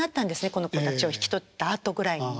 この子たちを引き取ったあとくらいに。